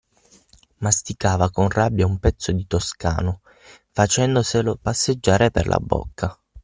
Masticava con rabbia un pezzo di “toscano,” facendoselo passeggiare per la bocca.